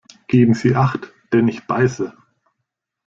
Geben Sie Acht, denn ich beiße!